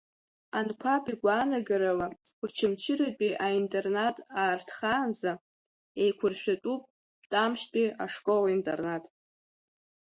Анқәаб игәаанагарала, Очамчыратәи аинтернат аартхаанӡа, еиқәырхатәуп Тамшьтәи ашкол-интернат.